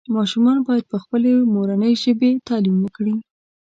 ماشومان باید پخپلې مورنۍ ژبې تعلیم وکړي